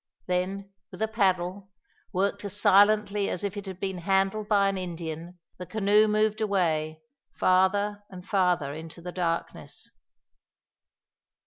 Then, with a paddle, worked as silently as if it had been handled by an Indian, the canoe moved away, farther and farther, into the darkness.